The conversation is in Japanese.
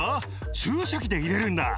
注射器で入れるんだ。